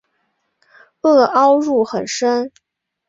萼凹入很深。